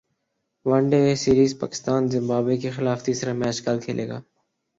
one day سیریزپاکستان Zimbabwe کیخلاف تیسرا match کل کھیلے گا